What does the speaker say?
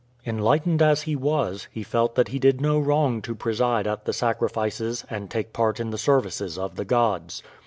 Enlightened as he was, he felt that he did no wrong to preside at the sacrifices and take part in the services of the gods.